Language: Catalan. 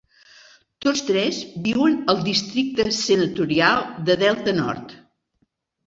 Tots tres viuen al districte senatorial de Delta North.